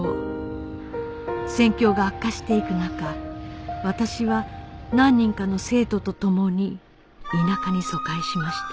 戦況が悪化していく中私は何人かの生徒と共に田舎に疎開しました